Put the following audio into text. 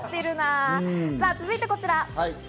続いてこちら。